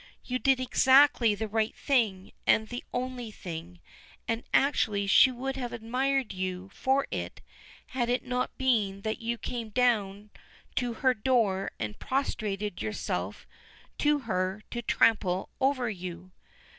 You did exactly the right thing, and the only thing, and actually she would have admired you for it had it not been that you came down to her door and prostrated yourself for her to trample over you."